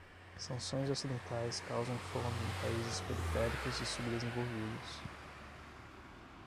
Sanções ocidentais causam fome em países periféricos e subdesenvolvidos